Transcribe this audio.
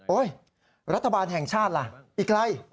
รัฐบาลแห่งชาติล่ะอีกไกล